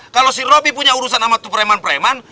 kalau si robby punya urusan sama tuh pereman pereman